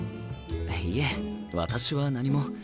いえ私は何も。